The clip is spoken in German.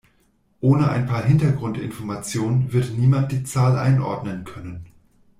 Ohne ein paar Hintergrundinformationen wird niemand die Zahl einordnen können.